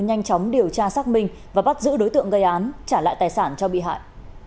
nhanh chóng điều tra xác minh và bắt giữ đối tượng gây án trả lại tài sản cho bị hại